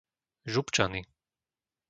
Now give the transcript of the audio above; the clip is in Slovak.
Župčany